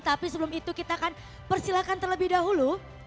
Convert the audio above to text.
tapi sebelum itu kita akan persilahkan terlebih dahulu